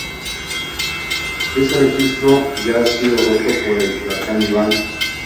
Ese registro ya ha sido roto por el huracán Iván.